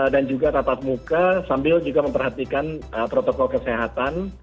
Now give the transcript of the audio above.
dan juga tatap muka sambil juga memperhatikan protokol kesehatan